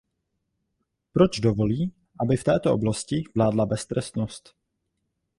Proč dovolí, aby v této oblasti vládla beztrestnost?